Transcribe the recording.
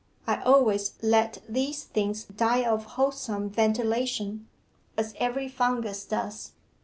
'I always let these things die of wholesome ventilation, as every fungus does.